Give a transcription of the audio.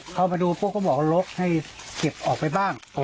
เข้ามาดูพวกเขาบอกลดให้เก็บออกไปบ้าง